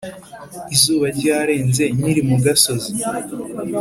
Izuba ryarenze nkiri mu gasozi